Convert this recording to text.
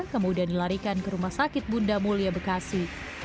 kemudian dilarikan ke rumah sakit bunda mulia bekasi